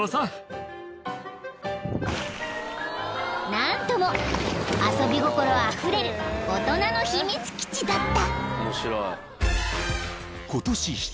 ［何とも遊び心あふれる大人の秘密基地だった］